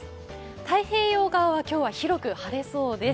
太平洋側は今日は広く晴れそうです。